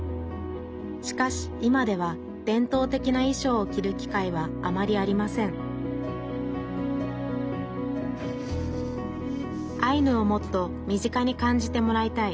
しかし今では伝統的ないしょうを着る機会はあまりありませんアイヌをもっと身近に感じてもらいたい。